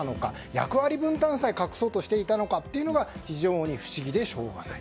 役割分担さえ隠そうとしていたのかというのが非常に不思議でしょうがない。